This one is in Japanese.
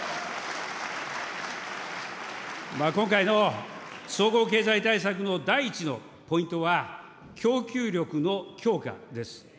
今回の総合経済対策の第１のポイントは供給力の強化です。